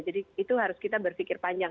jadi itu harus kita berpikir panjang